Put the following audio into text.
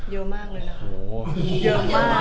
เยอะมากเลยนะ